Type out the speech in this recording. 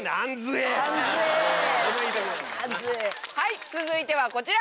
はい続いてはこちら！